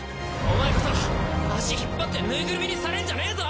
お前こそ足引っ張ってぬいぐるみにされんじゃねーぞ！